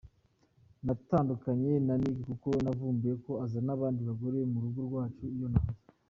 Natandukanye na Nick kuko navumbuye ko azana abandi bagore mu rugo rwacu iyo ntahari.